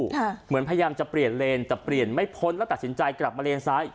เหมือนพยายามจะเปลี่ยนเลนแต่เปลี่ยนไม่พ้นแล้วตัดสินใจกลับมาเลนซ้าย